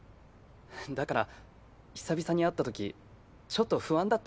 だから久々に会ったときちょっと不安だったんだ。